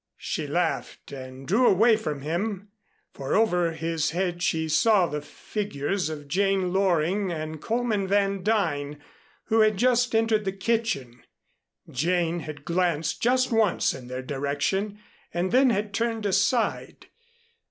She laughed and drew away from him, for over his head she saw the figures of Jane Loring and Coleman Van Duyn who had just entered the kitchen. Jane had glanced just once in their direction and then had turned aside.